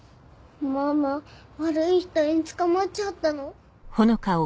ママ悪い人に捕まっちゃったの？